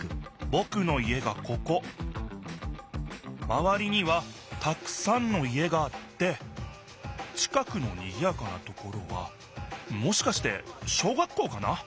まわりにはたくさんの家があって近くのにぎやかなところはもしかして小学校かな？